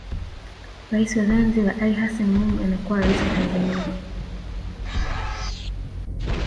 Rais wa Zanzibar Ali Hassan Mwinyi anakuwa Rais wa Tanzania